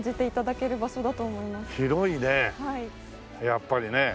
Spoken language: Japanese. やっぱりねえ。